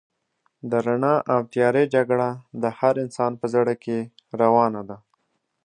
د رڼا او تيارې جګړه د هر انسان په زړه کې روانه ده.